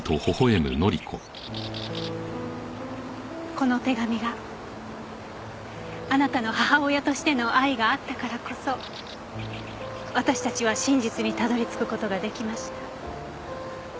この手紙があなたの母親としての愛があったからこそ私たちは真実にたどり着く事が出来ました。